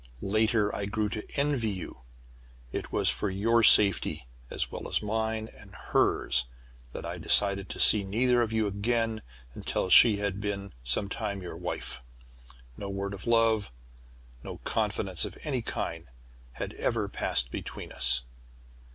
Later I grew to envy you. It was for your safety, as well as mine and hers, that I decided to see neither of you again until she had been some time your wife. No word of love, no confidence of any kind, had ever passed between us.